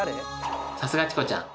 さすがチコちゃん。